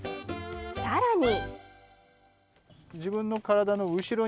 さらに。